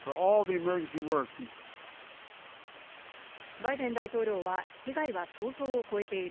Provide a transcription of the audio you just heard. バイデン大統領は、被害は想像を超えている。